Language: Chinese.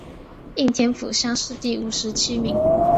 应天府乡试第五十七名。